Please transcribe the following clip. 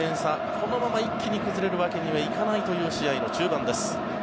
このまま一気に崩れるわけにはいけないという試合の中盤です。